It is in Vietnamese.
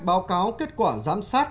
báo cáo kết quả giám sát